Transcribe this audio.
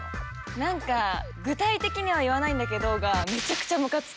何か「具体的には言わないんだけど」がめちゃくちゃむかつく。